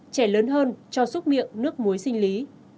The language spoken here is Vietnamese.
trẻ lớn hơn cho xúc miệng nước muối sinh lý